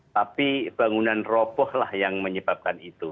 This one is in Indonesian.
tapi bangunan robohlah yang menyebabkan itu